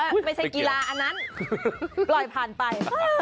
ไม่ใช่กีฬาอันนั้นปล่อยผ่านไป